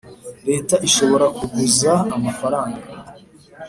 Leta ishobora kuguza amafaranga